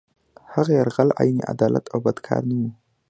هغه یرغل عین عدالت او بد کار نه وو.